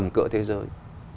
tầm cỡ thế giới